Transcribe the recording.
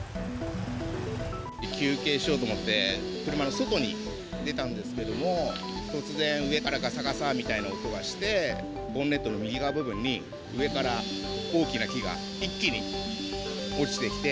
休憩しようと思って、車の外に出たんですけれども、突然、上からがさがさみたいな音がして、ボンネットの右側部分に、上から大きな木が一気に落ちてきて。